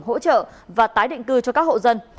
hỗ trợ và tái định cư cho các hộ dân